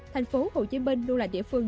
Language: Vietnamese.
thành phố hồ chí minh luôn là địa phương